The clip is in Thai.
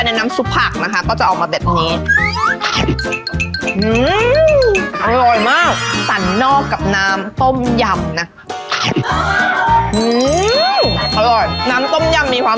เราก็จะชิมทั้งหมดเนี่ย